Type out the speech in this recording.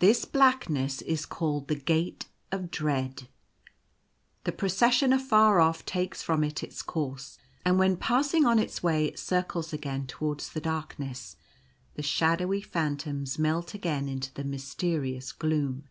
This blackness is called The Gate of Dread. The Procession afar off takes from it its course, and when passing on its way it circles again towards the darkness, the shadowy phantoms melt again into the mysterious gloom.